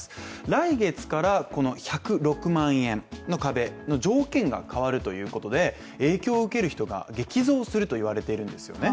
来月からこの１０６万円の壁の条件が変わるということで影響を受ける人が激増すると言われているんですよね。